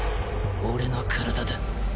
俺の体だ。